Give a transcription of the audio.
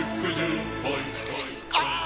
ああ！